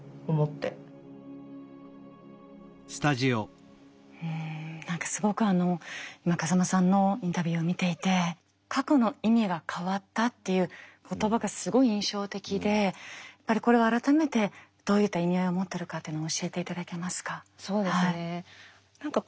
だから何か何かすごく今風間さんのインタビューを見ていて過去の意味が変わったっていう言葉がすごい印象的でこれは改めてどういった意味合いを持ってるかっていうのを教えて頂けますか。